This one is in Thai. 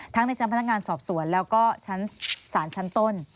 ในชั้นพนักงานสอบสวนแล้วก็ชั้นศาลชั้นต้น